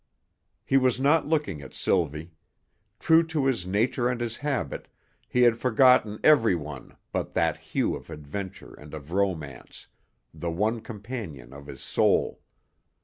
He was not looking at Sylvie; true to his nature and his habit, he had forgotten every one but that Hugh of adventure and of romance, the one companion of his soul.